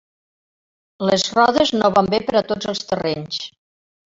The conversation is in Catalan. Les rodes no van bé per a tots els terrenys.